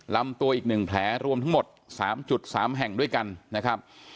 ลำตัวอีก๑แผลรวมทั้งหมด๓๓แห่งด้วยกันนะครับ